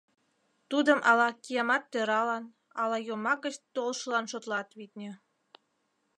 Тудым ала Киямат Тӧралан, ала йомак гыч толшылан шотлат, витне.